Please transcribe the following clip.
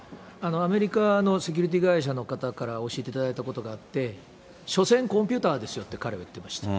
アメリカのセキュリティー会社の方から教えていただいたことがあって、所詮、コンピュータですよと彼は言ってました。